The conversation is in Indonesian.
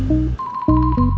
eh sini sini